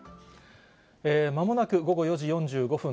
まもなく午後４時４５分、